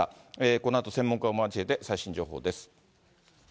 このあと専門家を交えて、最新情報です。